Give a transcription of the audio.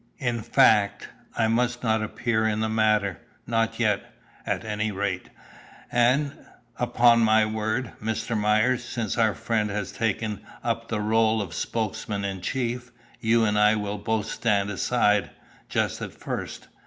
In fact, I must not appear in the matter not yet, at any rate. And, upon my word, Mr. Myers, since our friend has taken up the rôle of Spokesman in chief, you and I will both stand aside, just at first.